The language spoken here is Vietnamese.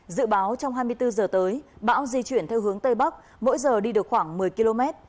dự báo trong hai mươi bốn giờ tới bão di chuyển theo hướng tây bắc mỗi giờ đi được khoảng một mươi km